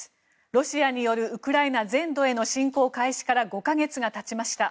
ロシアによるウクライナ全土への侵攻開始から５か月が経ちました。